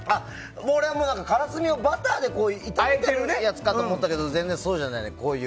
俺はからすみをバターで炒めているやつかと思ったけど全然そうじゃない。